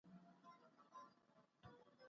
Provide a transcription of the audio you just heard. باید خپل پس انداز بې ځایه مصرف نه کړو.